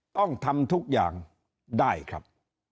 ต้องทำทุกอย่างได้ครับ